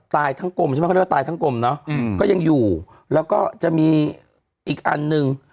ว่าตายทั้งกรมนะคะยังอยู่แล้วก็จะมีอีกอันนึง